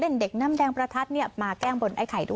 เล่นเด็กน้ำแดงพรภัจดิ์